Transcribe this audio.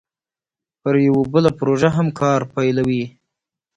پر یوه بله پروژه هم کار پیلوي